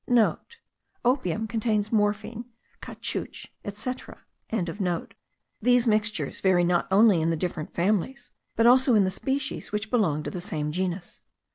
*(* Opium contains morphine, caoutchouc, etc.) These mixtures vary not only in the different families, but also in the species which belong to the same genus.